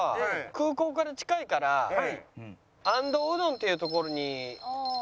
空港から近いから安藤うどんっていう所に集合しようか。